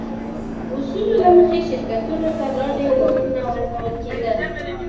اصولو له مخې شرکتونو ته لا ډېر واکونه ورکول کېده.